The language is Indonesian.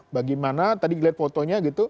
bagaimana tadi lihat fotonya